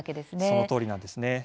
そのとおりなんですね。